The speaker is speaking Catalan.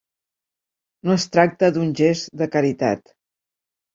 No es tracta d’un gest de caritat.